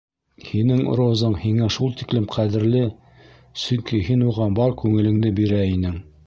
Һинең розаң һиңә шул тиклем ҡәҙерле, сөнки һин уға бар күңелеңде бирә инең.